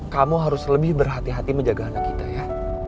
kamu harus lebih berhati hati menjaga anak kita ya